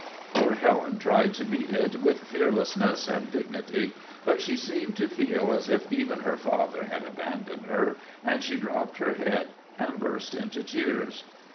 Poor Helen tried to meet it with fearlessness and dignity, but she seemed to feel as if even her father had abandoned her, and she dropped her head and burst into tears.